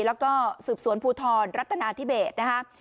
แล้วก็สืบสวนภูทรรัฐนาธิเบสนะครับ